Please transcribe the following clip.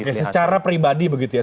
oke secara pribadi begitu ya